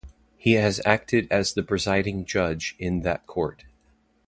He has acted as the presiding judge in that court.